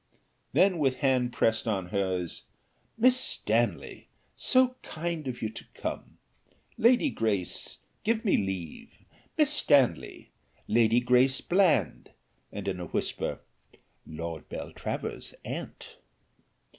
Then with hand pressed on hers, "Miss Stanley, so kind of you to come. Lady Grace, give me leave Miss Stanley Lady Grace Bland," and in a whisper, "Lord Beltravers' aunt."